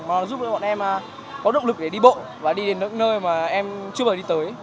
mà nó giúp cho bọn em có động lực để đi bộ và đi đến những nơi mà em chưa bao giờ đi tới